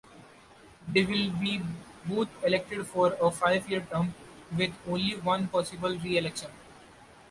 They will be both elected for a five-year term, with only one possible reelection.